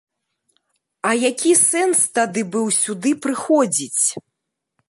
А які сэнс тады быў сюды прыходзіць?